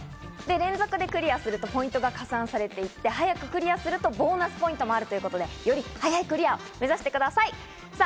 で、連続でクリアするとポイントが加算されていって、早くクリアするとボーナスポイントもあるということで、より早いクリアを目指してください。